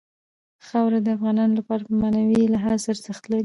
خاوره د افغانانو لپاره په معنوي لحاظ ارزښت لري.